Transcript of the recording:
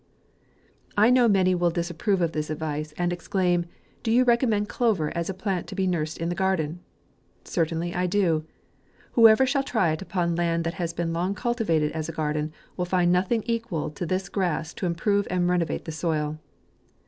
I know many will disapprove of this advice, and exclaim, do you recommend clover as a plant to be nursed in the garden ! Certainly I do. Who ever shall try it u\)on land that has been long cultivated as a garden, will find nothing equal to this grass to improve and renovate the soil.